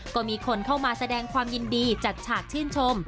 ก็มีคนเข้ามาแสดงความยินดีจัดฉากชื่นชม